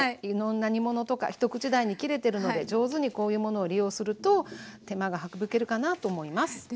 いろんな煮物とか一口大に切れてるので上手にこういうものを利用すると手間が省けるかなと思います。